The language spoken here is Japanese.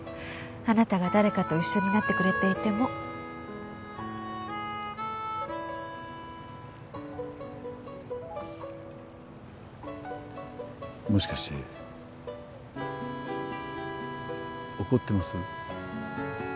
あなたが誰かと一緒になってくれていてももしかして怒ってます？